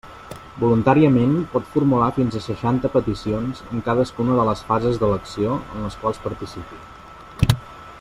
Voluntàriament pot formular fins a seixanta peticions en cadascuna de les fases d'elecció en les quals participi.